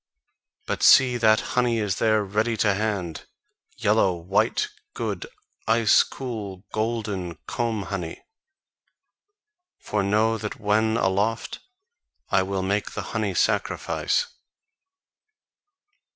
But see that honey is there ready to hand, yellow, white, good, ice cool, golden comb honey. For know that when aloft I will make the honey sacrifice."